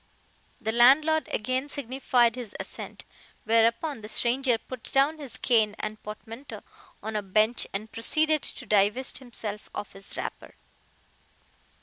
The landlord again signified his assent, whereupon the stranger put down his cane and portmanteau on a bench and proceeded to divest himself of his wrapper.